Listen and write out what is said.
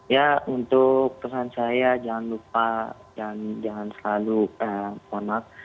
ya untuk pesan saya jangan lupa dan jangan selalu ponak